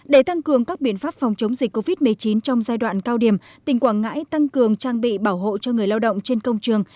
để tăng cường các biện pháp phòng chống dịch covid một mươi chín trong giai đoạn cao điểm tỉnh quảng ngãi tăng cường trang bị bảo hộ cho người lao động trên công trường